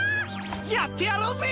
やってやろうぜ！